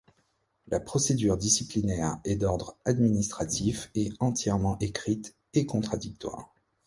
La procédure disciplinaire est d'ordre administratif et entièrement écrite et contradictoire.